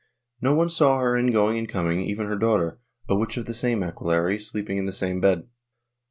No one saw her in going and coming, even her daughter, a witch of the same aquelarre, sleeping in the same bed.